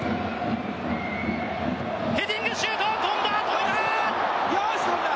ヘディングシュート！